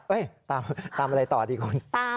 เฮ้ยตามอะไรต่อดีคุณ